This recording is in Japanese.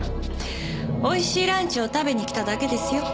おいしいランチを食べに来ただけですよ。